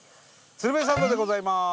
「鶴瓶サンド」でございます。